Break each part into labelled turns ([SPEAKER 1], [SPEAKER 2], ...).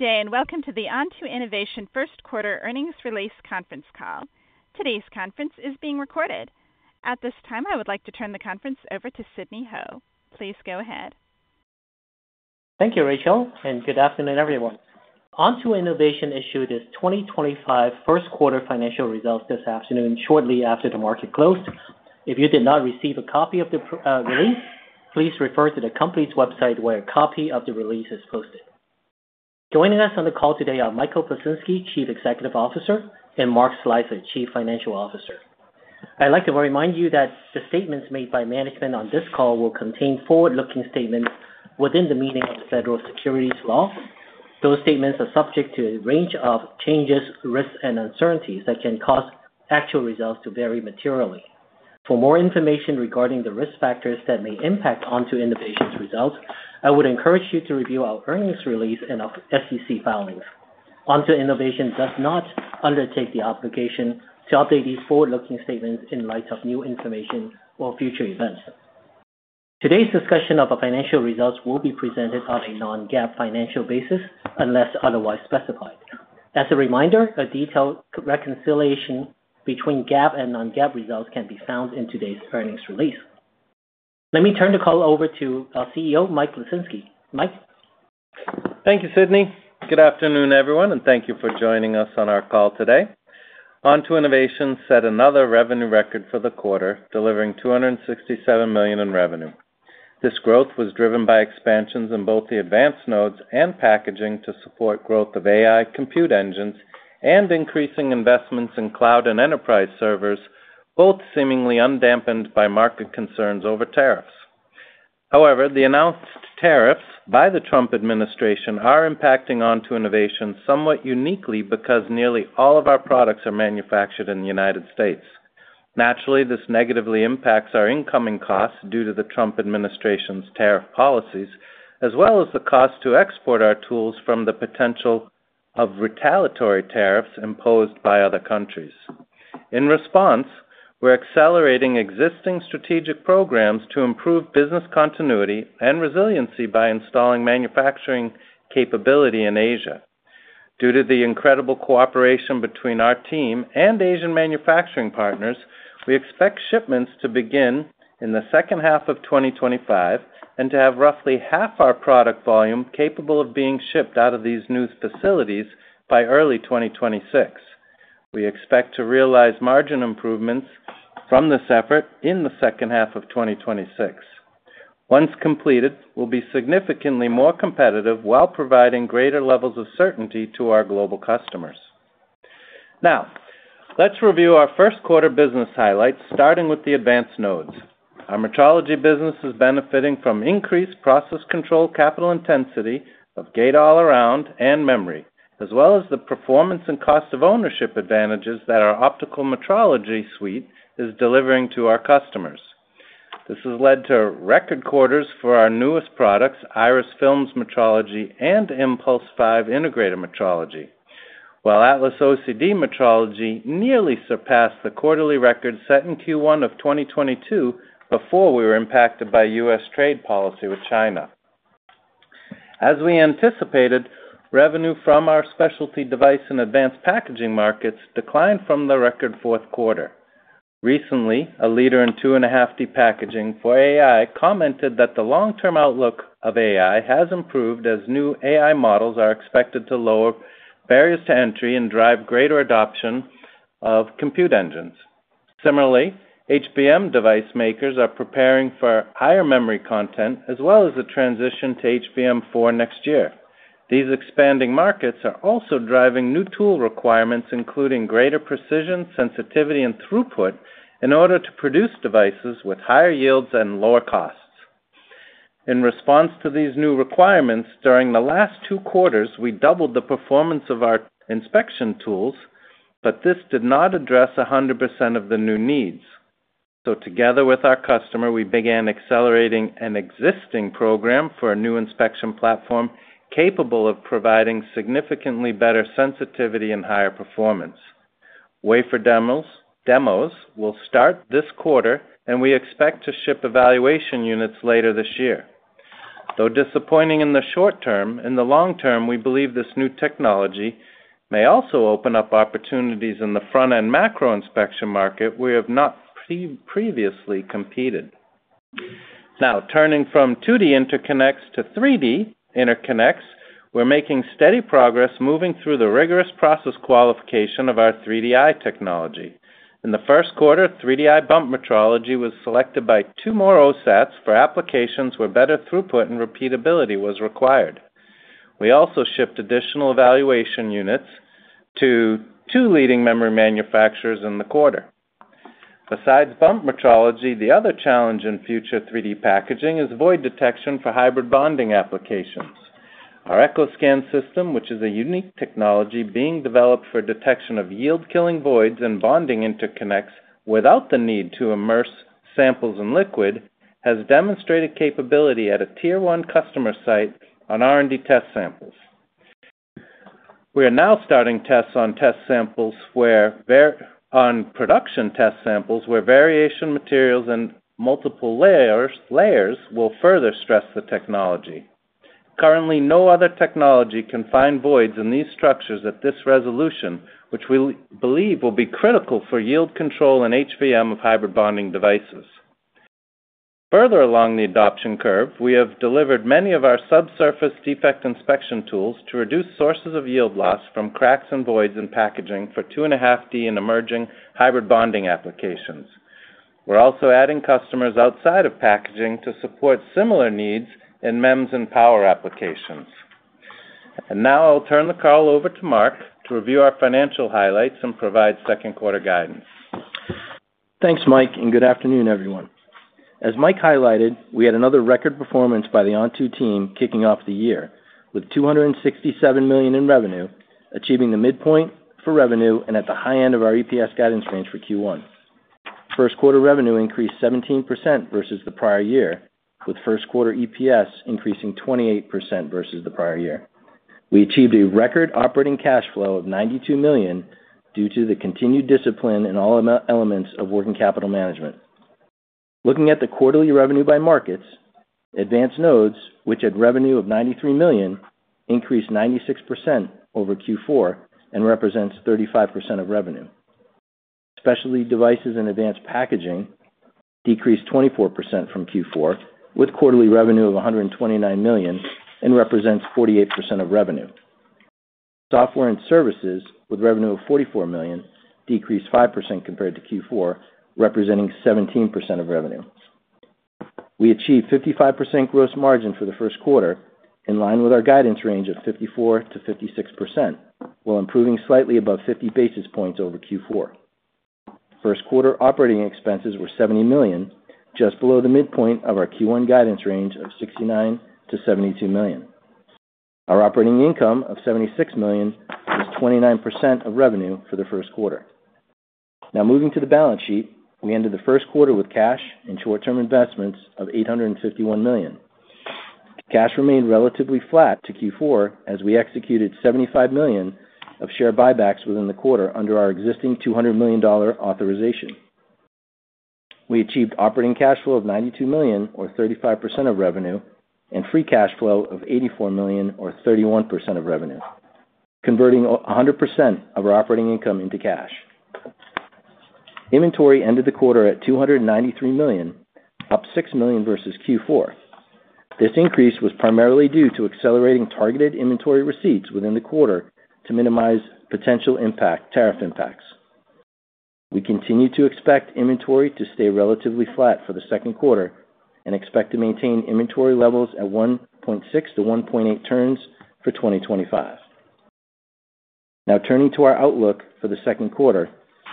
[SPEAKER 1] Today, and welcome to the Onto Innovation First Quarter Earnings Release Conference Call. Today's conference is being recorded. At this time, I would like to turn the conference over to Sidney Ho. Please go ahead.
[SPEAKER 2] Thank you, Rachel, and good afternoon, everyone. Onto Innovation issued its 2025 First Quarter financial results this afternoon, shortly after the market closed. If you did not receive a copy of the release, please refer to the company's website where a copy of the release is posted. Joining us on the call today are Michael Plisinski, Chief Executive Officer, and Mark Slicer, Chief Financial Officer. I'd like to remind you that the statements made by management on this call will contain forward-looking statements within the meaning of the Federal Securities Law. Those statements are subject to a range of changes, risks, and uncertainties that can cause actual results to vary materially. For more information regarding the risk factors that may impact Onto Innovation's results, I would encourage you to review our earnings release and our SEC filings. Onto Innovation does not undertake the obligation to update these forward-looking statements in light of new information or future events. Today's discussion of our financial results will be presented on a non-GAAP financial basis unless otherwise specified. As a reminder, a detailed reconciliation between GAAP and non-GAAP results can be found in today's earnings release. Let me turn the call over to our CEO, Michael Plisinski. Mike.
[SPEAKER 3] Thank you, Sidney. Good afternoon, everyone, and thank you for joining us on our call today. Onto Innovation set another revenue record for the quarter, delivering $267 million in revenue. This growth was driven by expansions in both the advanced nodes and packaging to support growth of AI compute engines and increasing investments in cloud and enterprise servers, both seemingly undampened by market concerns over tariffs. However, the announced tariffs by the Trump administration are impacting Onto Innovation somewhat uniquely because nearly all of our products are manufactured in the United States. Naturally, this negatively impacts our incoming costs due to the Trump administration's tariff policies, as well as the cost to export our tools from the potential of retaliatory tariffs imposed by other countries. In response, we're accelerating existing strategic programs to improve business continuity and resiliency by installing manufacturing capability in Asia. Due to the incredible cooperation between our team and Asian manufacturing partners, we expect shipments to begin in the second half of 2025 and to have roughly half our product volume capable of being shipped out of these new facilities by early 2026. We expect to realize margin improvements from this effort in the second half of 2026. Once completed, we will be significantly more competitive while providing greater levels of certainty to our global customers. Now, let's review our first quarter business highlights, starting with the advanced nodes. Our metrology business is benefiting from increased process control capital intensity of Gate All Around and Memory, as well as the performance and cost of ownership advantages that our optical metrology suite is delivering to our customers. This has led to record quarters for our newest products, Iris Films metrology and Impulse 5 integrated metrology, while Atlas OCD metrology nearly surpassed the quarterly record set in Q1 of 2022 before we were impacted by US trade policy with China. As we anticipated, revenue from our specialty device and advanced packaging markets declined from the record fourth quarter. Recently, a leader in 2.5D packaging for AI commented that the long-term outlook of AI has improved as new AI models are expected to lower barriers to entry and drive greater adoption of compute engines. Similarly, HBM device makers are preparing for higher memory content as well as the transition to HBM4 next year. These expanding markets are also driving new tool requirements, including greater precision, sensitivity, and throughput in order to produce devices with higher yields and lower costs. In response to these new requirements, during the last two quarters, we doubled the performance of our inspection tools, but this did not address 100% of the new needs. So together with our customer, we began accelerating an existing program for a new inspection platform capable of providing significantly better sensitivity and higher performance. Wafer demos will start this quarter, and we expect to ship evaluation units later this year. Though disappointing in the short term, in the long term, we believe this new technology may also open up opportunities in the front-end macro inspection market we have not previously competed. Now, turning from 2D interconnects to 3D interconnects, we're making steady progress moving through the rigorous process qualification of our 3DI technology. In the first quarter, 3DI bump metrology was selected by two more OSATs for applications where better throughput and repeatability was required. We also shipped additional evaluation units to two leading memory manufacturers in the quarter. Besides bump metrology, the other challenge in future 3D packaging is void detection for hybrid bonding applications. Our EchoScan system, which is a unique technology being developed for detection of yield-killing voids in bonding interconnects without the need to immerse samples in liquid, has demonstrated capability at a tier one customer site on R&D test samples. We are now starting tests on test samples where production test samples with variation materials and multiple layers will further stress the technology. Currently, no other technology can find voids in these structures at this resolution, which we believe will be critical for yield control and HBM of hybrid bonding devices. Further along the adoption curve, we have delivered many of our subsurface defect inspection tools to reduce sources of yield loss from cracks and voids in packaging for 2.5D in emerging hybrid bonding applications. We are also adding customers outside of packaging to support similar needs in MEMS and power applications. Now I will turn the call over to Mark to review our financial highlights and provide second quarter guidance.
[SPEAKER 4] Thanks, Mike, and good afternoon, everyone. As Mike highlighted, we had another record performance by the Onto team kicking off the year with $267 million in revenue, achieving the midpoint for revenue and at the high end of our EPS guidance range for Q1. First quarter revenue increased 17% versus the prior year, with first quarter EPS increasing 28% versus the prior year. We achieved a record operating cash flow of $92 million due to the continued discipline in all elements of working capital management. Looking at the quarterly revenue by markets, advanced nodes, which had revenue of $93 million, increased 96% over Q4 and represents 35% of revenue. Specialty devices and advanced packaging decreased 24% from Q4, with quarterly revenue of $129 million and represents 48% of revenue. Software and services, with revenue of $44 million, decreased 5% compared to Q4, representing 17% of revenue. We achieved 55% gross margin for the first quarter, in line with our guidance range of 54%-56%, while improving slightly above 50 basis points over Q4. First quarter operating expenses were $70 million, just below the midpoint of our Q1 guidance range of $69 million-$72 million. Our operating income of $76 million is 29% of revenue for the first quarter. Now, moving to the balance sheet, we ended the first quarter with cash and short-term investments of $851 million. Cash remained relatively flat to Q4 as we executed $75 million of share buybacks within the quarter under our existing $200 million authorization. We achieved operating cash flow of $92 million, or 35% of revenue, and free cash flow of $84 million, or 31% of revenue, converting 100% of our operating income into cash. Inventory ended the quarter at $293 million, up $6 million versus Q4. This increase was primarily due to accelerating targeted inventory receipts within the quarter to minimize potential tariff impacts. We continue to expect inventory to stay relatively flat for the second quarter and expect to maintain inventory levels at 1.6-1.8 turns for 2025. Now, turning to our outlook for the second quarter,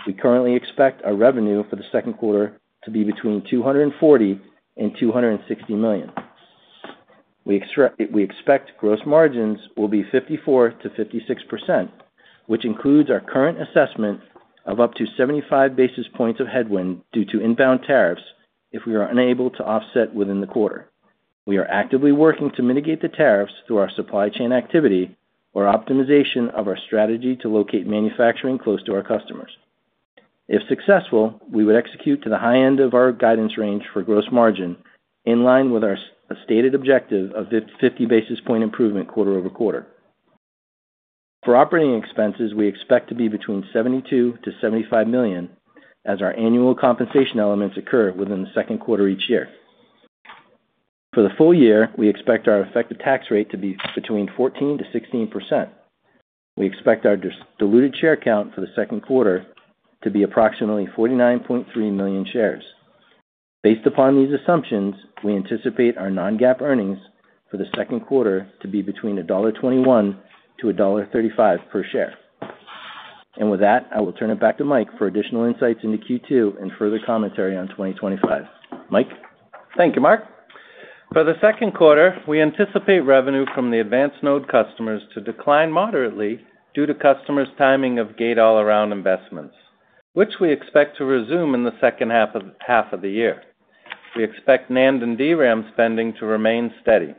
[SPEAKER 4] we currently expect our revenue for the second quarter to be between $240 million and $260 million. We expect gross margins will be 54%-56%, which includes our current assessment of up to 75 basis points of headwind due to inbound tariffs if we are unable to offset within the quarter. We are actively working to mitigate the tariffs through our supply chain activity or optimization of our strategy to locate manufacturing close to our customers. If successful, we would execute to the high end of our guidance range for gross margin in line with our stated objective of 50 basis point improvement quarter over quarter. For operating expenses, we expect to be between $72 million-$75 million as our annual compensation elements occur within the second quarter each year. For the full year, we expect our effective tax rate to be between 14%-16%. We expect our diluted share count for the second quarter to be approximately 49.3 million shares. Based upon these assumptions, we anticipate our non-GAAP earnings for the second quarter to be between $1.21-$1.35 per share. With that, I will turn it back to Mike for additional insights into Q2 and further commentary on 2025. Mike.
[SPEAKER 3] Thank you, Mark. For the second quarter, we anticipate revenue from the advanced node customers to decline moderately due to customers' timing of Gate All Around investments, which we expect to resume in the second half of the year. We expect NAND and DRAM spending to remain steady.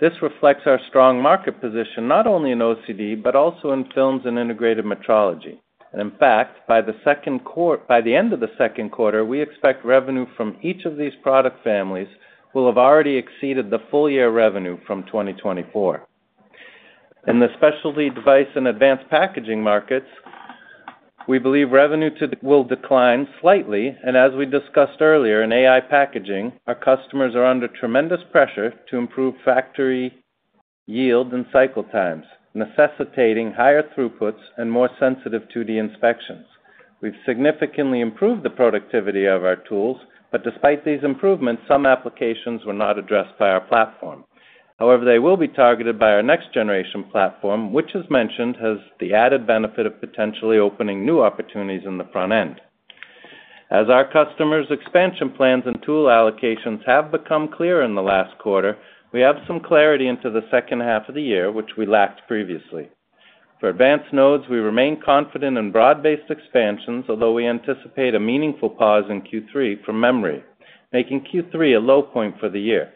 [SPEAKER 3] This reflects our strong market position not only in OCD but also in films and integrated metrology. In fact, by the end of the second quarter, we expect revenue from each of these product families will have already exceeded the full year revenue from 2024. In the specialty device and advanced packaging markets, we believe revenue will decline slightly. As we discussed earlier, in AI packaging, our customers are under tremendous pressure to improve factory yield and cycle times, necessitating higher throughputs and more sensitive 2D inspections. We've significantly improved the productivity of our tools, but despite these improvements, some applications were not addressed by our platform. However, they will be targeted by our next generation platform, which, as mentioned, has the added benefit of potentially opening new opportunities in the front end. As our customers' expansion plans and tool allocations have become clearer in the last quarter, we have some clarity into the second half of the year, which we lacked previously. For advanced nodes, we remain confident in broad-based expansions, although we anticipate a meaningful pause in Q3 from memory, making Q3 a low point for the year.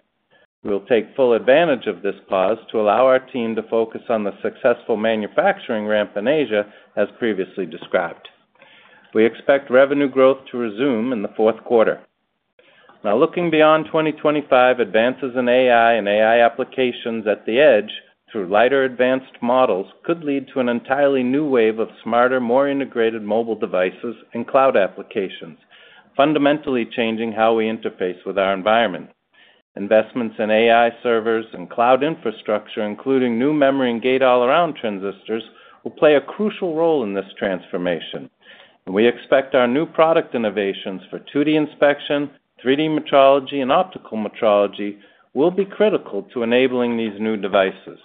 [SPEAKER 3] We will take full advantage of this pause to allow our team to focus on the successful manufacturing ramp in Asia, as previously described. We expect revenue growth to resume in the fourth quarter. Now, looking beyond 2025, advances in AI and AI applications at the edge through lighter advanced models could lead to an entirely new wave of smarter, more integrated mobile devices and cloud applications, fundamentally changing how we interface with our environment. Investments in AI servers and cloud infrastructure, including new memory and Gate All Around transistors, will play a crucial role in this transformation. We expect our new product innovations for 2D inspection, 3D metrology, and optical metrology will be critical to enabling these new devices.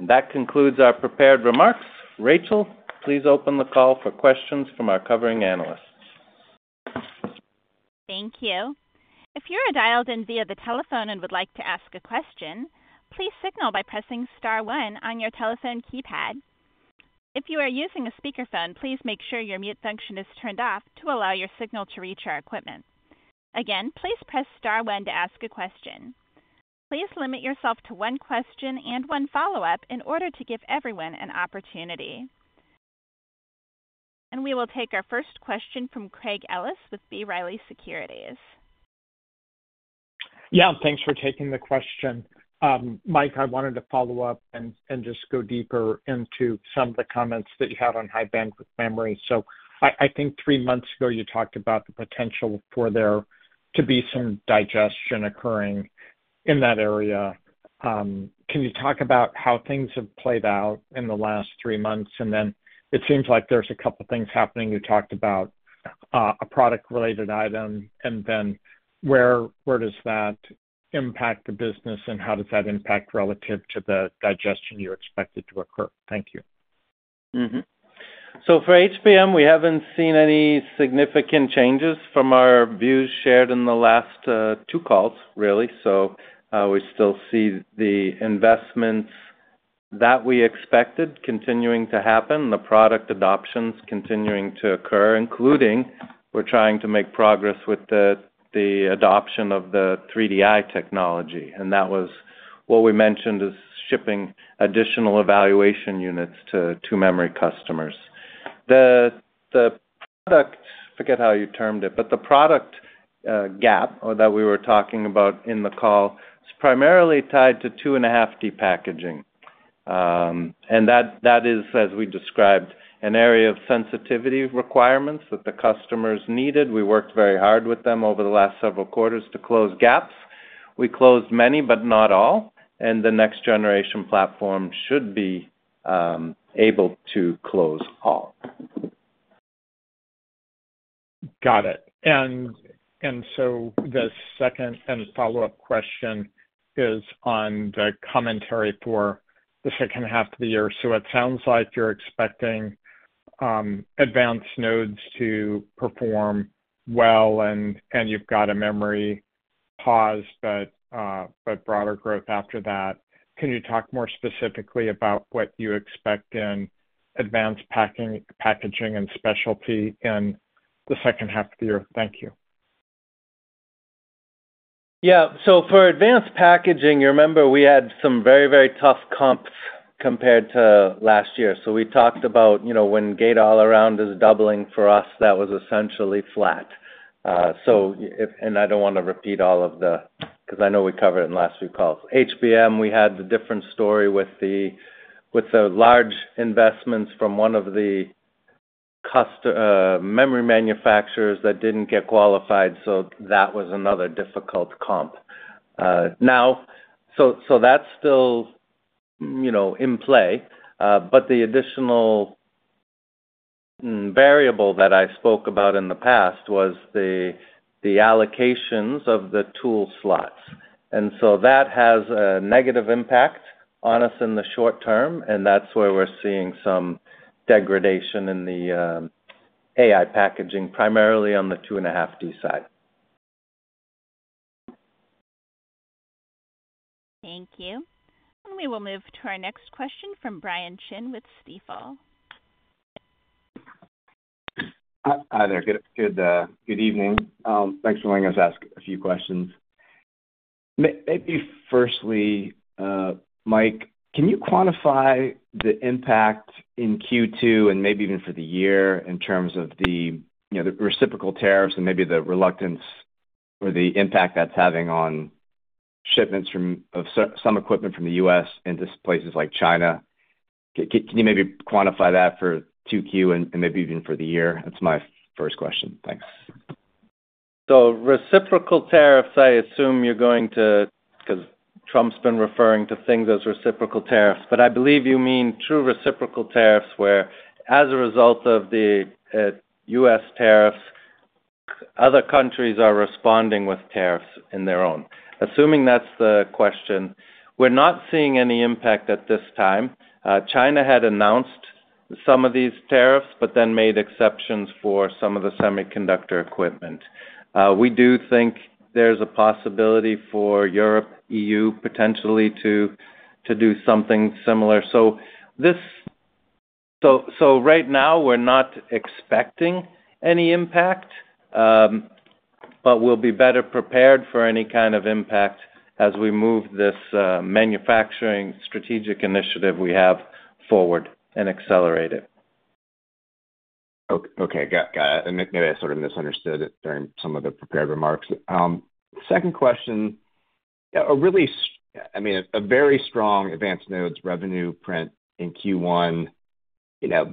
[SPEAKER 3] That concludes our prepared remarks. Rachel, please open the call for questions from our covering analysts.
[SPEAKER 1] Thank you. If you're dialed in via the telephone and would like to ask a question, please signal by pressing star one on your telephone keypad. If you are using a speakerphone, please make sure your mute function is turned off to allow your signal to reach our equipment. Again, please press star one to ask a question. Please limit yourself to one question and one follow-up in order to give everyone an opportunity. We will take our first question from Craig Ellis with B. Riley Securities.
[SPEAKER 5] Yeah, thanks for taking the question. Mike, I wanted to follow up and just go deeper into some of the comments that you had on high bandwidth memory. I think three months ago, you talked about the potential for there to be some digestion occurring in that area. Can you talk about how things have played out in the last three months? It seems like there's a couple of things happening. You talked about a product-related item, and then where does that impact the business, and how does that impact relative to the digestion you expected to occur? Thank you.
[SPEAKER 3] For HBM, we haven't seen any significant changes from our views shared in the last two calls, really. We still see the investments that we expected continuing to happen, the product adoptions continuing to occur, including we're trying to make progress with the adoption of the 3DI technology. That was what we mentioned is shipping additional evaluation units to memory customers. The product—forgive how you termed it—but the product gap that we were talking about in the call is primarily tied to 2.5D packaging. That is, as we described, an area of sensitivity requirements that the customers needed. We worked very hard with them over the last several quarters to close gaps. We closed many, but not all. The next generation platform should be able to close all.
[SPEAKER 5] Got it. And so the second and follow-up question is on the commentary for the second half of the year. It sounds like you're expecting advanced nodes to perform well, and you've got a memory pause, but broader growth after that. Can you talk more specifically about what you expect in advanced packaging and specialty in the second half of the year? Thank you.
[SPEAKER 3] Yeah. For advanced packaging, you remember we had some very, very tough comps compared to last year. We talked about when Gate All Around is doubling for us, that was essentially flat. I do not want to repeat all of the—because I know we covered it in the last few calls. HBM, we had a different story with the large investments from one of the memory manufacturers that did not get qualified. That was another difficult comp. That is still in play. The additional variable that I spoke about in the past was the allocations of the tool slots. That has a negative impact on us in the short term, and that is where we are seeing some degradation in the AI packaging, primarily on the 2.5D side.
[SPEAKER 1] Thank you. We will move to our next question from Brian Chin with Stifel.
[SPEAKER 6] Hi there. Good evening. Thanks for letting us ask a few questions. Maybe firstly, Mike, can you quantify the impact in Q2 and maybe even for the year in terms of the reciprocal tariffs and maybe the reluctance or the impact that's having on shipments of some equipment from the US into places like China? Can you maybe quantify that for Q2 and maybe even for the year? That's my first question. Thanks.
[SPEAKER 3] Reciprocal tariffs, I assume you're going to—because Trump's been referring to things as reciprocal tariffs—but I believe you mean true reciprocal tariffs where, as a result of the US tariffs, other countries are responding with tariffs in their own. Assuming that's the question, we're not seeing any impact at this time. China had announced some of these tariffs but then made exceptions for some of the semiconductor equipment. We do think there's a possibility for Europe, EU, potentially to do something similar. Right now, we're not expecting any impact, but we'll be better prepared for any kind of impact as we move this manufacturing strategic initiative we have forward and accelerate it.
[SPEAKER 6] Okay. Got it. Maybe I sort of misunderstood it during some of the prepared remarks. Second question, really, I mean, a very strong advanced nodes revenue print in Q1,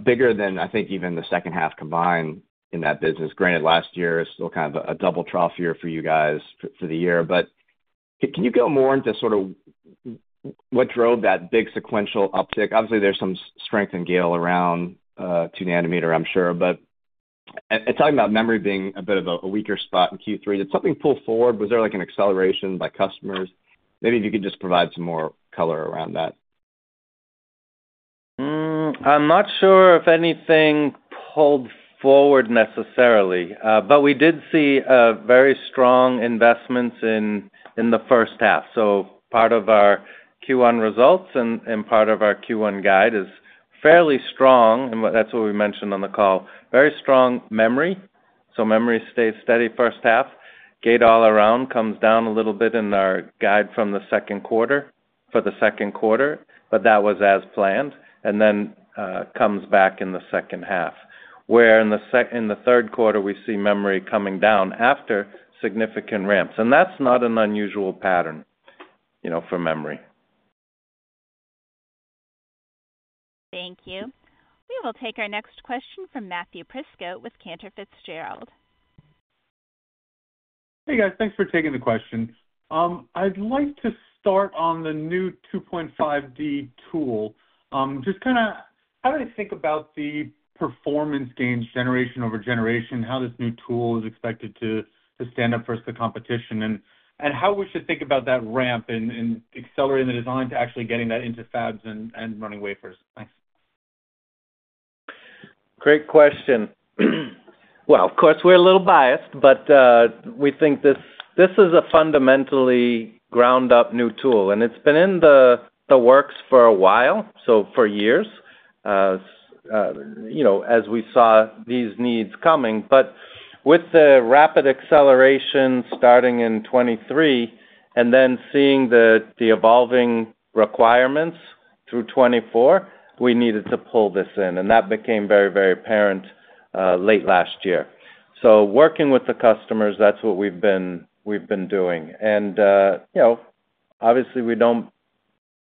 [SPEAKER 6] bigger than, I think, even the second half combined in that business. Granted, last year is still kind of a double trough year for you guys for the year. Can you go more into sort of what drove that big sequential uptick? Obviously, there's some strength in Gate All Around two nanometers, I'm sure. Talking about memory being a bit of a weaker spot in Q3, did something pull forward? Was there an acceleration by customers? Maybe if you could just provide some more color around that.
[SPEAKER 3] I'm not sure if anything pulled forward necessarily, but we did see very strong investments in the first half. Part of our Q1 results and part of our Q1 guide is fairly strong. That is what we mentioned on the call: very strong memory. Memory stays steady first half. Gate All Around comes down a little bit in our guide for the second quarter, but that was as planned, and then comes back in the second half. Where in the third quarter, we see memory coming down after significant ramps. That is not an unusual pattern for memory.
[SPEAKER 1] Thank you. We will take our next question from Matthew Prisco with Cantor Fitzgerald.
[SPEAKER 7] Hey, guys. Thanks for taking the question. I'd like to start on the new 2.5D tool. Just kind of how do they think about the performance gain generation over generation, how this new tool is expected to stand up for the competition, and how we should think about that ramp and accelerate the design to actually getting that into fabs and running wafers? Thanks.
[SPEAKER 3] Great question. Of course, we're a little biased, but we think this is a fundamentally ground-up new tool. It's been in the works for a while, for years, as we saw these needs coming. With the rapid acceleration starting in 2023 and then seeing the evolving requirements through 2024, we needed to pull this in. That became very, very apparent late last year. Working with the customers, that's what we've been doing. Obviously, we don't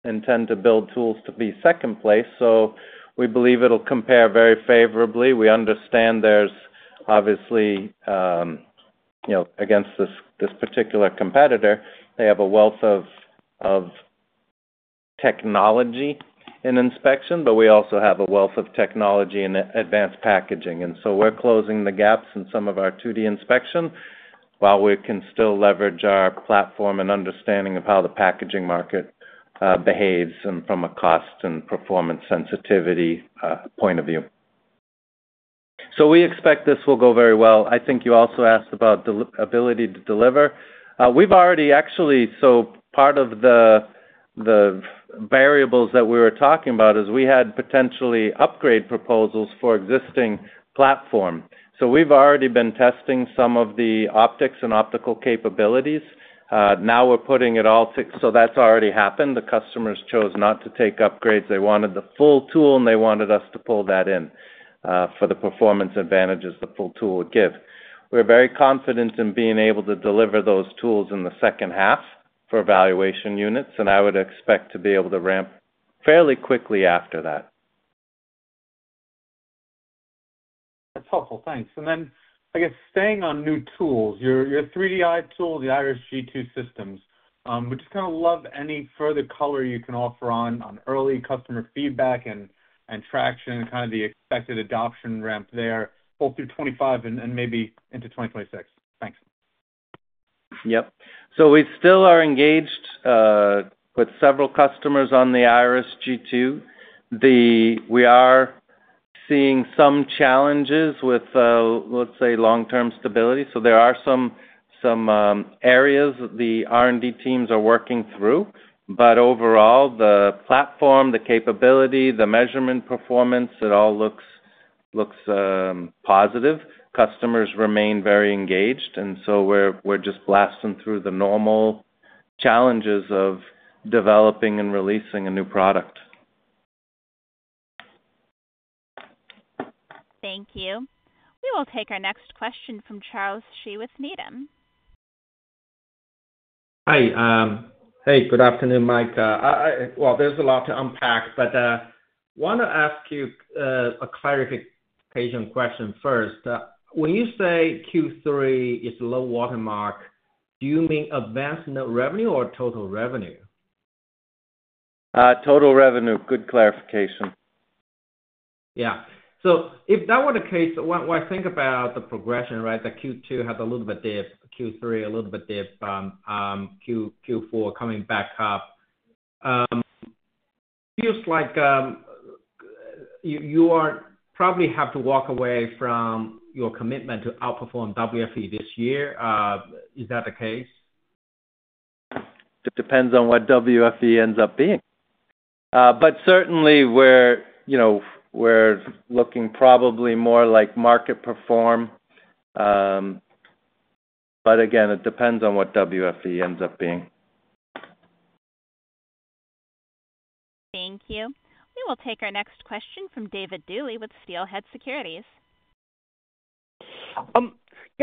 [SPEAKER 3] intend to build tools to be second place. We believe it'll compare very favorably. We understand there's obviously, against this particular competitor, they have a wealth of technology in inspection, but we also have a wealth of technology in advanced packaging. We're closing the gaps in some of our 2D inspection while we can still leverage our platform and understanding of how the packaging market behaves from a cost and performance sensitivity point of view. We expect this will go very well. I think you also asked about the ability to deliver. We've already actually—part of the variables that we were talking about is we had potentially upgrade proposals for existing platform. We've already been testing some of the optics and optical capabilities. Now we're putting it all—so that's already happened. The customers chose not to take upgrades. They wanted the full tool, and they wanted us to pull that in for the performance advantages the full tool would give. We're very confident in being able to deliver those tools in the second half for evaluation units. I would expect to be able to ramp fairly quickly after that.
[SPEAKER 7] That's helpful. Thanks. I guess, staying on new tools, your 3D interconnect tool, the Iris G2 systems, we just kind of love any further color you can offer on early customer feedback and traction and kind of the expected adoption ramp there both through 2025 and maybe into 2026. Thanks.
[SPEAKER 3] Yep. So we still are engaged with several customers on the Iris G2. We are seeing some challenges with, let's say, long-term stability. There are some areas that the R&D teams are working through. Overall, the platform, the capability, the measurement performance, it all looks positive. Customers remain very engaged. We are just blasting through the normal challenges of developing and releasing a new product.
[SPEAKER 1] Thank you. We will take our next question from Charles Xi with Needham.
[SPEAKER 8] Hi. Hey, good afternoon, Mike. There's a lot to unpack, but I want to ask you a clarification question first. When you say Q3 is a low watermark, do you mean advanced net revenue or total revenue?
[SPEAKER 3] Total revenue. Good clarification.
[SPEAKER 8] Yeah. If that were the case, when I think about the progression, right, that Q2 had a little bit dip, Q3 a little bit dip, Q4 coming back up, it feels like you probably have to walk away from your commitment to outperform WFE this year. Is that the case?
[SPEAKER 3] It depends on what WFE ends up being. Certainly, we're looking probably more like market perform. Again, it depends on what WFE ends up being.
[SPEAKER 1] Thank you. We will take our next question from David Dooley with Steelhead Securities.
[SPEAKER 9] Yeah.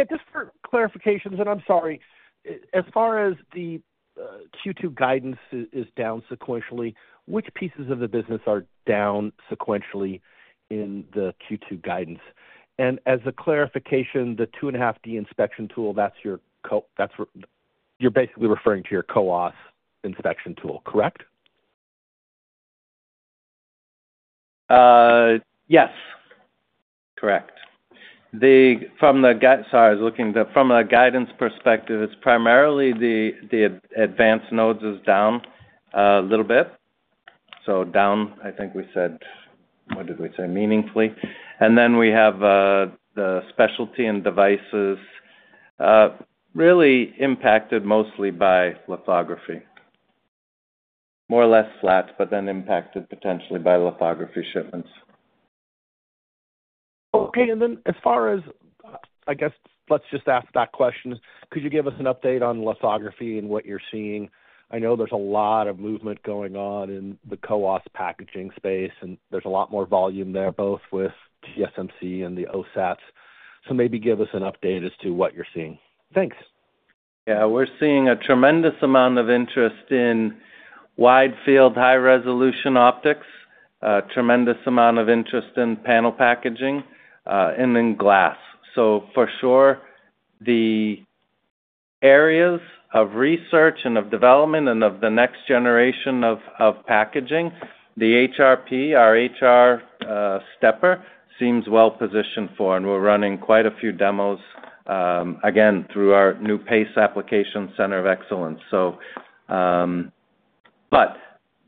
[SPEAKER 9] Just for clarification—and I'm sorry—as far as the Q2 guidance is down sequentially, which pieces of the business are down sequentially in the Q2 guidance? As a clarification, the two and a half D inspection tool, that's your—you're basically referring to your 2.5D inspection tool, correct?
[SPEAKER 3] Yes. Correct. From the guide—sorry, I was looking at that. From a guidance perspective, it's primarily the advanced nodes is down a little bit. So down, I think we said—what did we say?—meaningfully. And then we have the specialty and devices really impacted mostly by lithography. More or less flat, but then impacted potentially by lithography shipments.
[SPEAKER 9] Okay. As far as, I guess, let's just ask that question. Could you give us an update on lithography and what you're seeing? I know there's a lot of movement going on in the Co-Op packaging space, and there's a lot more volume there, both with TSMC and the OSATs. Maybe give us an update as to what you're seeing. Thanks.
[SPEAKER 3] Yeah. We're seeing a tremendous amount of interest in wide field, high-resolution optics, a tremendous amount of interest in panel packaging, and in glass. For sure, the areas of research and of development and of the next generation of packaging, the HRP, our HR stepper, seems well positioned for. We're running quite a few demos, again, through our new PACE Application Center of Excellence.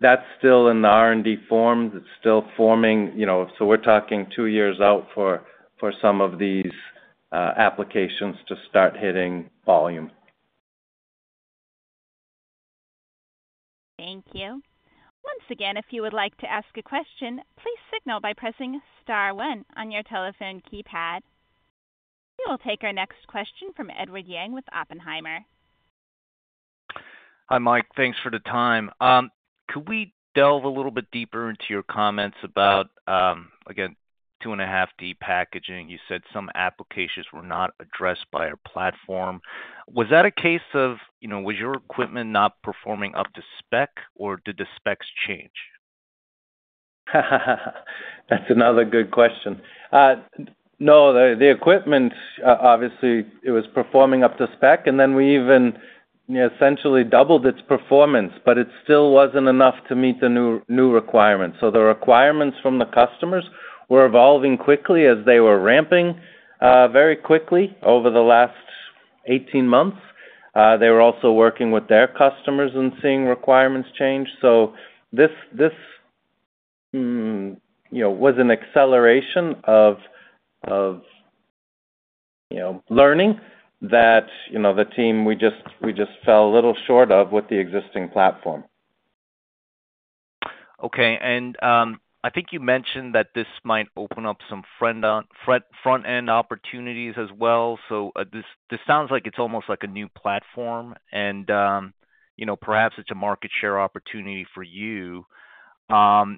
[SPEAKER 3] That's still in the R&D forms. It's still forming. We're talking two years out for some of these applications to start hitting volume.
[SPEAKER 1] Thank you. Once again, if you would like to ask a question, please signal by pressing star one on your telephone keypad. We will take our next question from Edward Yang with Oppenheimer.
[SPEAKER 10] Hi, Mike. Thanks for the time. Could we delve a little bit deeper into your comments about, again, 2.5D packaging? You said some applications were not addressed by our platform. Was that a case of was your equipment not performing up to spec, or did the specs change?
[SPEAKER 3] That's another good question. No, the equipment, obviously, it was performing up to spec, and then we even essentially doubled its performance, but it still wasn't enough to meet the new requirements. The requirements from the customers were evolving quickly as they were ramping very quickly over the last 18 months. They were also working with their customers and seeing requirements change. This was an acceleration of learning that the team, we just fell a little short of with the existing platform.
[SPEAKER 10] Okay. I think you mentioned that this might open up some front-end opportunities as well. This sounds like it's almost like a new platform, and perhaps it's a market share opportunity for you.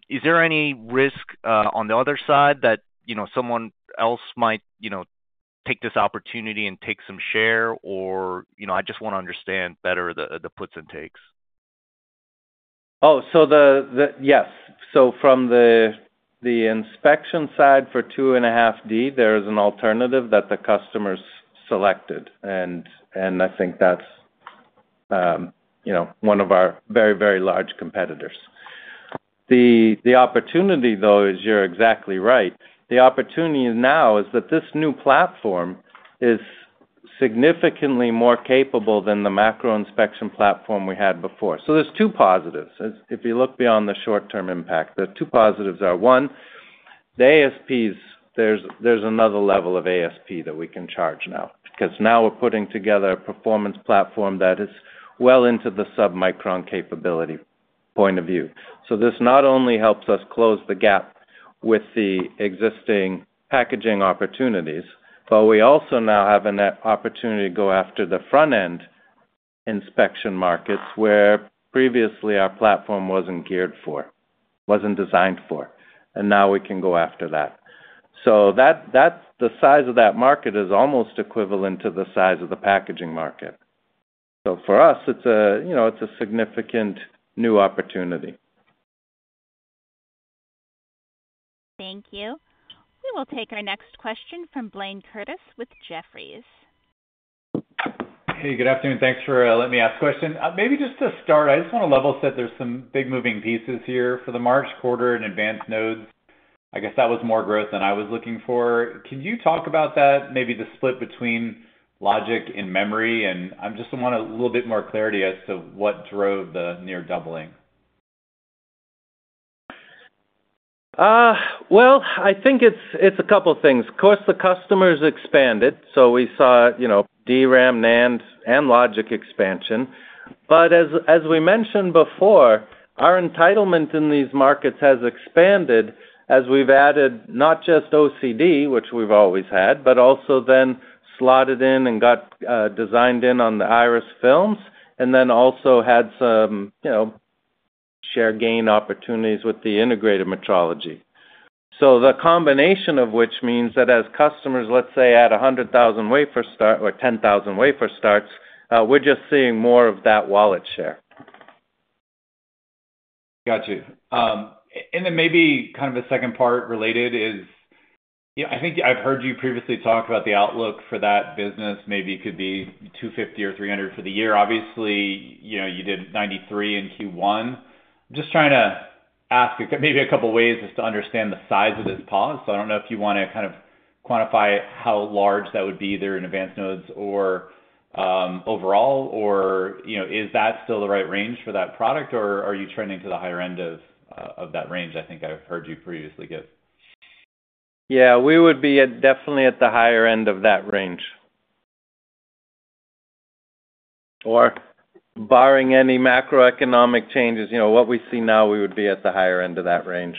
[SPEAKER 10] Is there any risk on the other side that someone else might take this opportunity and take some share? I just want to understand better the puts and takes.
[SPEAKER 3] Oh, yes. From the inspection side for 2.5D, there is an alternative that the customers selected. I think that's one of our very, very large competitors. The opportunity, though, is you're exactly right. The opportunity now is that this new platform is significantly more capable than the macro inspection platform we had before. There are two positives. If you look beyond the short-term impact, the two positives are, one, there's another level of ASP that we can charge now because now we're putting together a performance platform that is well into the sub-micron capability point of view. This not only helps us close the gap with the existing packaging opportunities, but we also now have an opportunity to go after the front-end inspection markets where previously our platform wasn't geared for, wasn't designed for. Now we can go after that. The size of that market is almost equivalent to the size of the packaging market. For us, it's a significant new opportunity.
[SPEAKER 1] Thank you. We will take our next question from Blaine Curtis with Jefferies.
[SPEAKER 11] Hey, good afternoon. Thanks for letting me ask a question. Maybe just to start, I just want to level set there's some big moving pieces here for the March quarter and advanced nodes. I guess that was more growth than I was looking for. Can you talk about that, maybe the split between logic and memory? I just want a little bit more clarity as to what drove the near doubling.
[SPEAKER 3] I think it's a couple of things. Of course, the customers expanded. We saw DRAM, NAND, and logic expansion. As we mentioned before, our entitlement in these markets has expanded as we've added not just OCD, which we've always had, but also then slotted in and got designed in on the Iris Films, and then also had some share gain opportunities with the integrated metrology. The combination of which means that as customers, let's say, at 100,000 wafer start or 10,000 wafer starts, we're just seeing more of that wallet share.
[SPEAKER 11] Gotcha. Maybe kind of a second part related is I think I've heard you previously talk about the outlook for that business. Maybe it could be $250 million or $300 million for the year. Obviously, you did $93 million in Q1. I'm just trying to ask maybe a couple of ways just to understand the size of this pause. I don't know if you want to kind of quantify how large that would be, either in advanced nodes or overall, or is that still the right range for that product, or are you trending to the higher end of that range? I think I've heard you previously give.
[SPEAKER 3] Yeah. We would be definitely at the higher end of that range. Barring any macroeconomic changes, what we see now, we would be at the higher end of that range.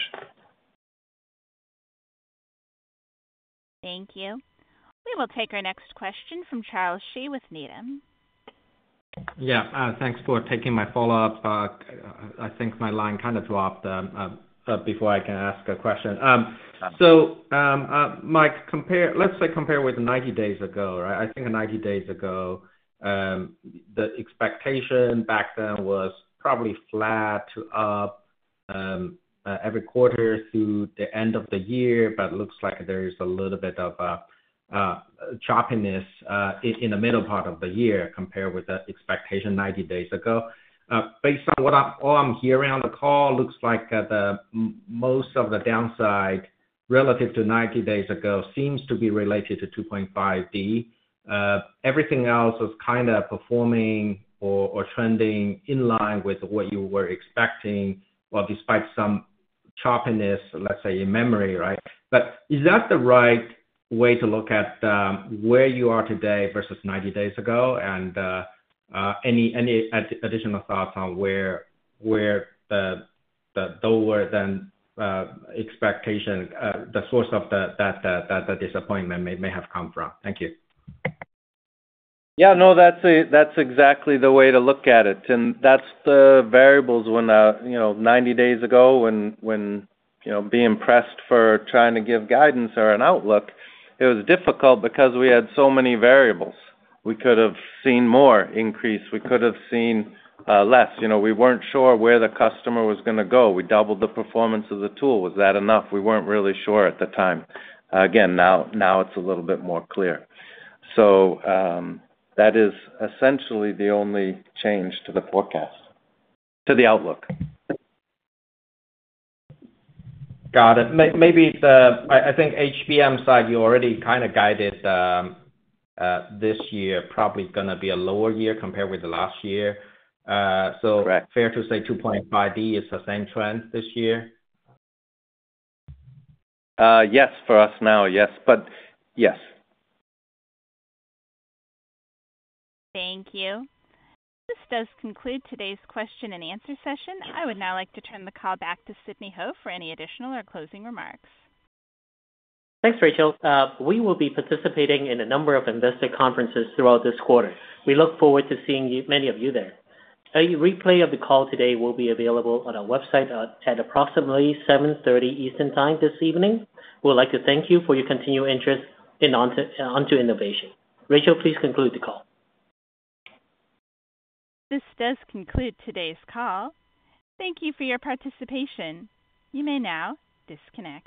[SPEAKER 1] Thank you. We will take our next question from Charles Xi with Needham.
[SPEAKER 8] Yeah. Thanks for taking my follow-up. I think my line kind of dropped before I could ask a question. So Mike, let's say compare with 90 days ago, right? I think 90 days ago, the expectation back then was probably flat to up every quarter through the end of the year. It looks like there's a little bit of choppiness in the middle part of the year compared with the expectation 90 days ago. Based on what I'm hearing on the call, it looks like most of the downside relative to 90 days ago seems to be related to 2.5D. Everything else is kind of performing or trending in line with what you were expecting, despite some choppiness, let's say, in memory, right? Is that the right way to look at where you are today versus 90 days ago? Any additional thoughts on where the lower than expectation, the source of that disappointment may have come from? Thank you.
[SPEAKER 3] Yeah. No, that's exactly the way to look at it. And that's the variables when 90 days ago, when being pressed for trying to give guidance or an outlook, it was difficult because we had so many variables. We could have seen more increase. We could have seen less. We weren't sure where the customer was going to go. We doubled the performance of the tool. Was that enough? We weren't really sure at the time. Again, now it's a little bit more clear. So that is essentially the only change to the forecast, to the outlook.
[SPEAKER 8] Got it. I think HBM side, you already kind of guided this year, probably going to be a lower year compared with the last year. So fair to say 2.5D is the same trend this year?
[SPEAKER 3] Yes. For us now, yes. Yes.
[SPEAKER 1] Thank you. This does conclude today's question and answer session. I would now like to turn the call back to Sidney Ho for any additional or closing remarks.
[SPEAKER 2] Thanks, Rachel. We will be participating in a number of investor conferences throughout this quarter. We look forward to seeing many of you there. A replay of the call today will be available on our website at approximately 7:30 P.M. Eastern Time this evening. We'd like to thank you for your continued interest in Onto Innovation. Rachel, please conclude the call.
[SPEAKER 1] This does conclude today's call. Thank you for your participation. You may now disconnect.